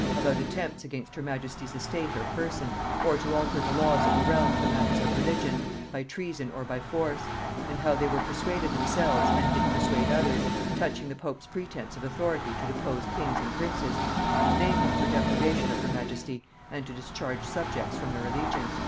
about attempts against her majesty's estate or person, or to alter the laws of the realm for matters of religion, by treason or by force; and how they were persuaded themselves and did persuade others, touching the pope's pretence of authority to depose kings and princes; and namely for deprivation of her majesty, and to discharge subjects from their allegiance."